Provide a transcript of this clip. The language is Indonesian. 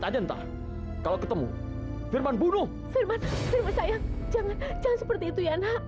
jangan seperti itu ya nak